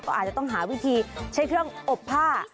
ก็อาจจะต้องหาวิธีใช้เครื่องอบผ้า